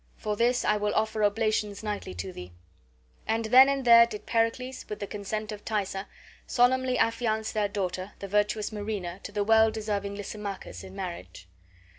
For this I will offer oblations nightly to thee." And then and there did Pericles, with the consent of Thaisa, solemnly affiance their daughter, the virtuous Marina, to the well deserving Lysimachus in marriage.